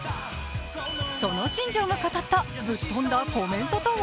その新庄が語った、ぶっ飛んだコメントとは